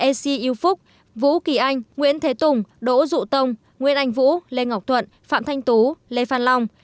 s c yêu phúc vũ kỳ anh nguyễn thế tùng đỗ dụ tông nguyên anh vũ lê ngọc thuận phạm thanh tú lê phan long